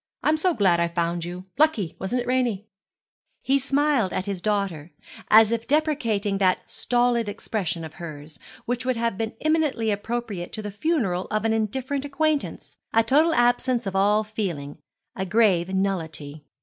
I'm so glad I found you. Lucky, wasn't it, Ranie?' He smiled at his daughter, as if deprecating that stolid expression of hers, which would have been eminently appropriate to the funeral of an indifferent acquaintance, a total absence of all feeling, a grave nullity.